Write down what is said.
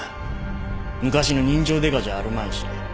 昔の人情デカじゃあるまいし。